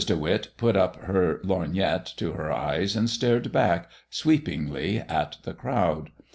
De Witt put up her lorgnette to her eyes and stared back sweepingly at the crowd.